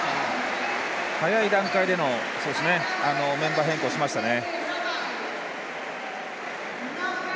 早い段階でのメンバー変更しましたね。